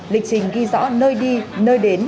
lịch trình ghi rõ nơi đi nơi đến